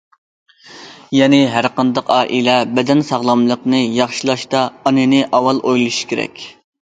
يەنى، ھەر قانداق ئائىلە بەدەن ساغلاملىقىنى ياخشىلاشتا ئانىنى ئاۋۋال ئويلىشىشى كېرەك.